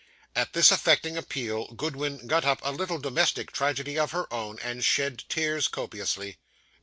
At this affecting appeal, Goodwin got up a little domestic tragedy of her own, and shed tears copiously.